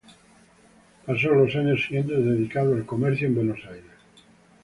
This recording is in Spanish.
Pasó los años siguientes dedicado al comercio en Buenos Aires.